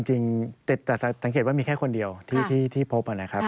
ก็จริงแต่สังเกตว่ามีแค่คนเดียวที่พบ